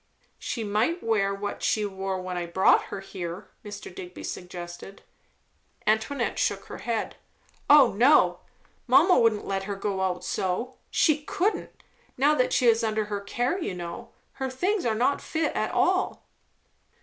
"She might wear what she wore when I brought her here," Mr. Digby suggested. Antoinette shook her head. "O no! Mamma wouldn't let her go out so. She couldn't, now that she is under her care, you know. Her things are not fit at all."